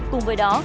cùng với đó